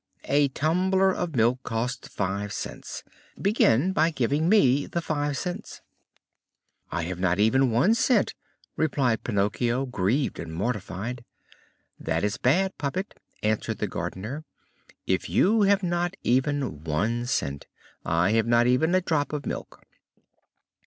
"A tumbler of milk costs five cents. Begin by giving me the five cents." "I have not even one cent," replied Pinocchio, grieved and mortified. "That is bad, puppet," answered the gardener. "If you have not even one cent, I have not even a drop of milk."